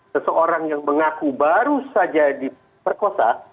seseorang yang mengaku baru saja diperkosa